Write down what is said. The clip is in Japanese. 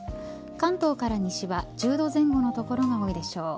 関東から西は１０度前後の所が多いでしょう。